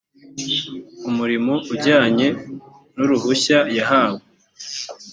umurimo ujyanye n uruhushya yahawe